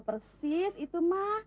persis itu ma